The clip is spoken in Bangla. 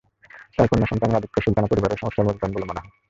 তাই কন্যাসন্তানের আধিক্য সুলতানার পরিবারে সমস্যার মূল কারণ বলে মনে করা হয়।